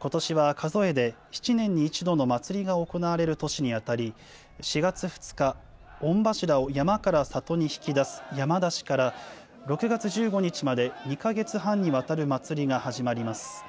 ことしは数えで７年に１度の祭りが行われる年にあたり、４月２日、御柱を山から里に引き出す山出しから、６月１５日まで２か月半にわたる祭りが始まります。